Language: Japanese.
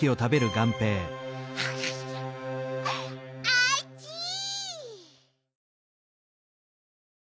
おいちい！